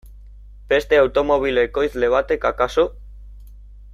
Beste automobil ekoizle batek akaso?